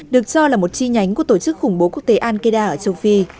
được cho là một chi nhánh của tổ chức khủng bố quốc tế al qada ở châu phi